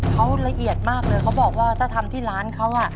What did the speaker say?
เขาละเอียดมากเลยเขาบอกว่าถ้าทำที่ร้านเขา